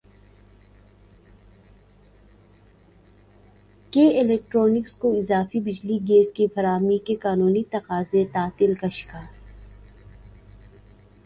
کے الیکٹرک کو اضافی بجلی گیس کی فراہمی کے قانونی تقاضے تعطل کا شکار